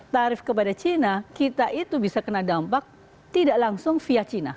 tarif kepada china kita itu bisa kena dampak tidak langsung via china